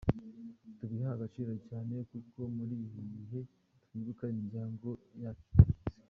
Tubiha agaciro cyane kuko muri ibi bihe twibuka imiryango yacu yashize.